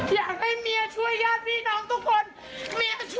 อยากให้เมียช่วยยัดที่น้องทุกคนเมียช่วยหมด